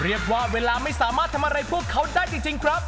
เรียกว่าเวลาไม่สามารถทำอะไรพวกเขาได้จริงครับ